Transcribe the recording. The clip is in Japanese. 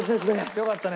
よかったね。